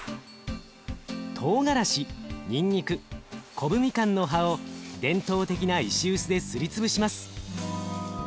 トウガラシにんにくコブミカンの葉を伝統的な石臼ですり潰します。